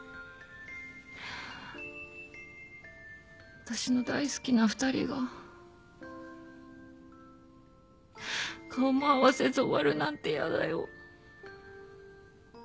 私の大好きな２人が顔も合わせず終わるなんてやだよ。